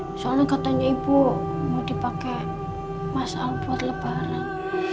misalnya katanya ibu mau dipakai mas alpura lebaran